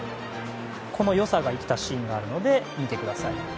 その良さが生きたシーンがあるので見てください。